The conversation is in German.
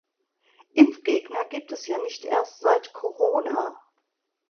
Impfgegner gibt es ja nicht erst seit Corona.